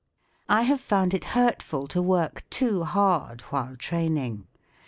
I have found it hurtful to work too hard while training.